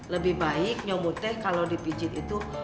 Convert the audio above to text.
lebih baik nyomot deh kalo dipijit itu